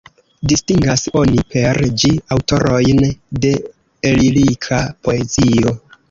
Distingas oni per ĝi aŭtorojn de lirika poezio.